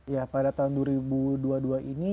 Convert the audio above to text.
ya pada tahun dua ribu dua puluh dua ini